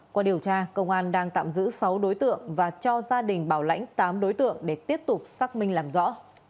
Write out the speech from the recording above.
qua điều tra công an đang tạm giữ sáu đối tượng và cho gia đình bảo lãnh tám đối tượng để tiếp tục xác minh làm rõ